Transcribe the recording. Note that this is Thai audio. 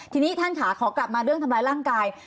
ทีนี้ท่านค่ะขอกลับมาเรื่องทำร้ายร่างกาย